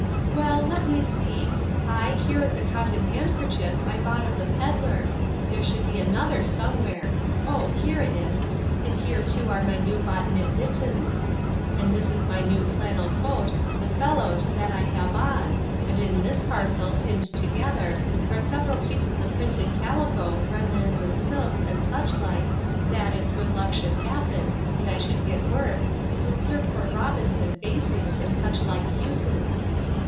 Well, let me see; ay, here is a cotton handkerchief I bought of the pedlar—there should be another somewhere. O, here it is! and here too are my new bought knit mittens; and this is my new flannel coat, the fellow to that I have on and in this parcel, pinned together, are several pieces of printed calico, remnants of silks, and such like, that, if good luck should happen, and I should get work, would serve for robins and facings, and such like uses.